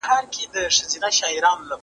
زه پرون سبزېجات جمع کوم!!